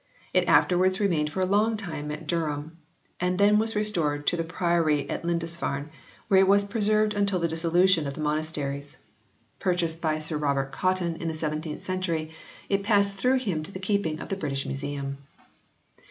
It afterwards remained for a long time at Durham, and then was restored to the Priory of Lindisfarne, where it was preserved until the Dissolution of the Monasteries. Purchased by Sir Robert Cotton in the I] ANGLO SAXON VERSIONS 9 17th century, it passed through him to the keeping of the British Museum.